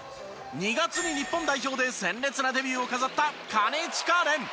２月に日本代表で鮮烈なデビューを飾った金近廉！